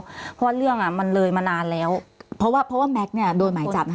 เพราะว่าเรื่องอ่ะมันเลยมานานแล้วเพราะว่าเพราะว่าแม็กซ์เนี่ยโดนหมายจับนะคะ